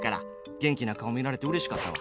元気な顔見れてうれしかったわ。